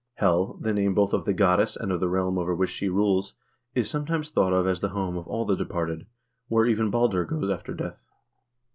Hel, the name both of the goddess and of the realm over which she rules, is sometimes thought of as the home of all the departed, where even Balder goes after death.